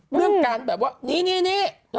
เรื่องการแบบว่านี่